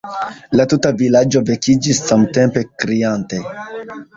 La tuta vilaĝo vekiĝis samtempe, kriante.